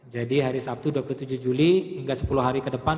jadi hari sabtu dua puluh tujuh juli hingga sepuluh hari ke depan